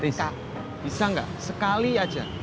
tis bisa gak sekali aja